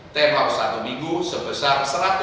term loss satu minggu sebesar